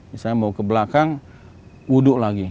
misalnya mau ke belakang wudhu lagi